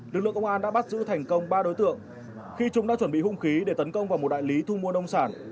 lực lượng công an đã bắt giữ thành công ba đối tượng khi chúng đã chuẩn bị hung khí để tấn công vào một đại lý thu mua nông sản